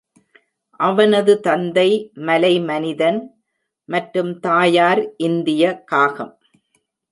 அவனது தந்தை மலை மனிதன் மற்றும் தாயார் இந்திய காகம்.